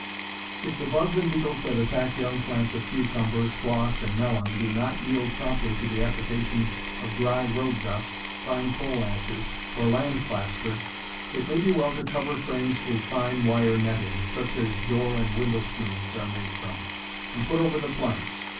If the bugs and beetles that attack young plants of cucumber, squash, and melon do not yield promptly to the application of dry road dust, fine coal ashes, or land plaster, it may be well to cover frames with fine wire netting, such as door and window screens are made from, and put over the plants.